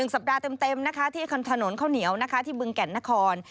๑สัปดาห์เต็มที่ถนนข้าวเหนียวที่บึงแก่นนคร